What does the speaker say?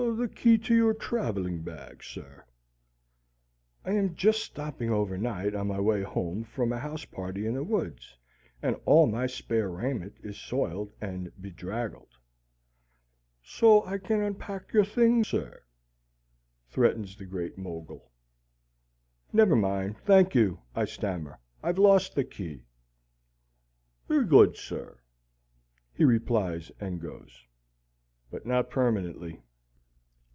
"The key to your traveling bag, sir." I am just stopping overnight on my way home from a house party in the woods, and all my spare raiment is soiled and bedraggled. "So I can unpack your things, sir," threatens the Great Mogul. "Never mind, thank you," I stammer. "I've lost the key." "Very good, sir," he replies and goes. But not permanently.